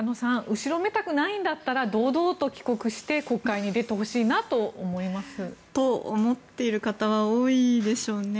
後ろめたくないんだったら堂々と帰国して国会に出てほしいなと思います。と思っている方は多いでしょうね。